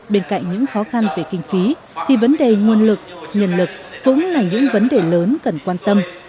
bên cạnh những khó khăn về kinh phí thì vấn đề nguồn lực nhân lực cũng là những vấn đề lớn cần quan tâm